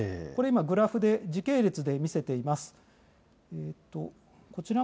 グラフで時系列で見せています。